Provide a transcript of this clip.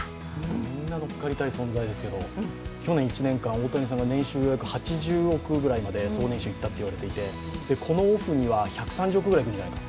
みんなのっかりたい存在ですけど去年１年間大谷さんが総年収８９億ぐらいまでいったと言われていてこのオフには１３０億ぐらいいくんじゃないか。